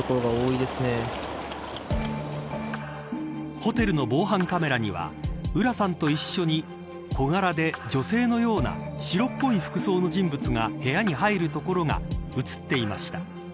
ホテルの防犯カメラには浦さんと一緒に小柄で女性のような白っぽい服装の人物が部屋に入るところが映っていました。